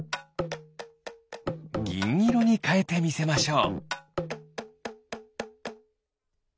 ぎんいろにかえてみせましょう！